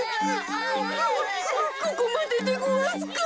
こここまででごわすか。